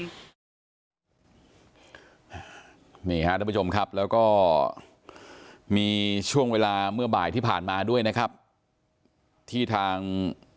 นี่ฮะทุกผู้ชมครับแล้วก็มีช่วงเวลาเมื่อบ่ายที่ผ่านมาด้วยนะครับที่ทาง